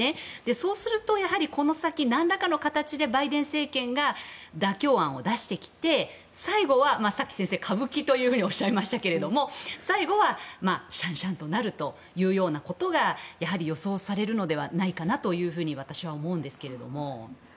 そうすると、この先なんらかの形でバイデン政権が妥協案を出してきて最後はさっき、先生歌舞伎とおっしゃいましたけど最後はしゃんしゃんとなるということがやはり予想されるのではないかと私は思うんですけども。